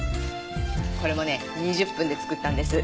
これもね２０分で作ったんです。